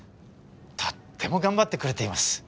とっても頑張ってくれています。